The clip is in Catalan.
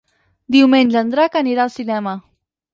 Diumenge en Drac anirà al cinema.